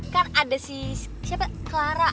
kan ada si siapa clara